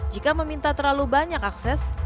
jika meminta terlalu banyak akses